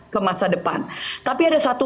ke masa depan tapi ada satu